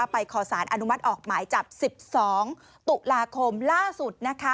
ขอสารอนุมัติออกหมายจับ๑๒ตุลาคมล่าสุด